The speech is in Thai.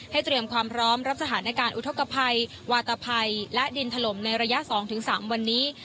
เตรียมความพร้อมรับสถานการณ์อุทธกภัยวาตภัยและดินถล่มในระยะ๒๓วันนี้